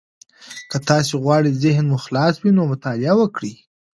که تاسي غواړئ ذهن مو خلاص وي، نو مطالعه وکړئ.